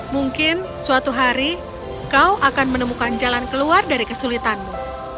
mungkin suatu hari kau akan menemukan jalan keluar dari kesulitanmu